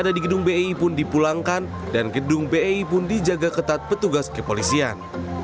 ada di gedung bei pun dipulangkan dan gedung bei pun dijaga ketat petugas kepolisian